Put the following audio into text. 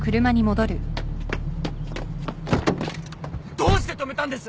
どうして止めたんです！？